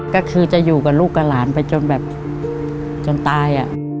ก็คือจะอยู่กับลูกกับหลานไปจนแบบจนตาย